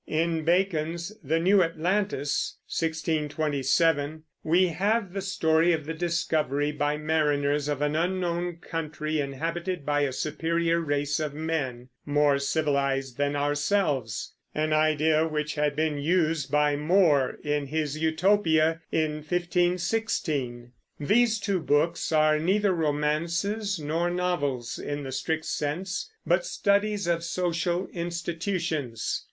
In Bacon's The New Atlantis (1627) we have the story of the discovery by mariners of an unknown country, inhabited by a superior race of men, more civilized than ourselves, an idea which had been used by More in his Utopia in 1516. These two books are neither romances nor novels, in the strict sense, but studies of social institutions.